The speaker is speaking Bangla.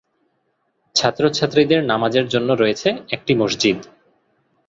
ছাত্র/ছাত্রীদের নামাজের জন্য রয়েছে একটি মসজিদ।